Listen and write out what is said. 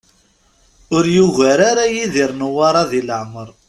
Ur yugar ara Yidir Newwara di leɛmer.